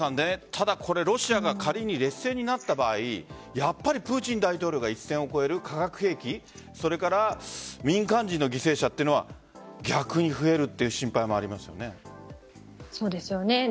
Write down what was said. ただ、ロシアが仮に劣勢になった場合やっぱりプーチン大統領が一線を越える化学兵器それから民間人の犠牲者というのは逆に増えるという心配もそうですよね。